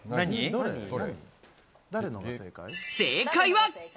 正解は。